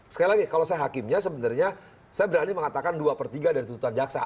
sekali lagi kalau saya hakimnya sebenarnya saya berani mengatakan dua per tiga dari tuntutan jaksa